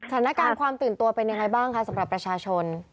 สถานการณ์ความตื่นตัวเป็นยังไงบ้างคะสำหรับประชาชน